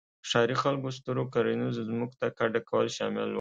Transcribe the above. ښاري خلک سترو کرنیزو ځمکو ته کډه کول شامل وو